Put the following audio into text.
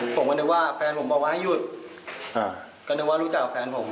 ผมก็นึกว่าแฟนผมบอกว่าให้หยุดอ่าก็นึกว่ารู้จักกับแฟนผม